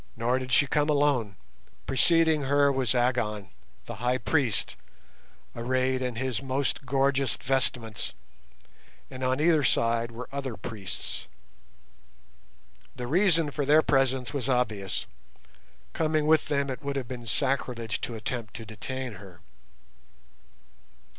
Nor did she come alone. Preceding her was Agon, the High Priest, arrayed in his most gorgeous vestments, and on either side were other priests. The reason for their presence was obvious—coming with them it would have been sacrilege to attempt to detain her.